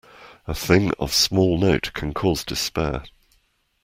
A thing of small note can cause despair.